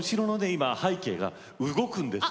今背景が動くんですよ。